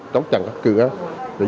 chống chặn các cựu